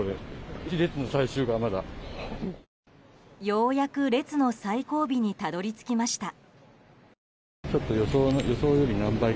ようやく列の最後尾にたどり着きました。